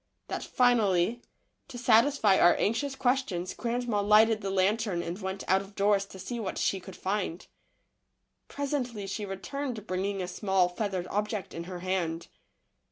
that finally, to satisfy 8 THE LITTLE FORESTERS. our anxious questions, grandma lighted the lantern and went out of doors to see what she could find. Presently she returned bringing a small, feathered object in her hand.